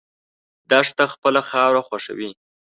دښته خپله خاوره خوښوي.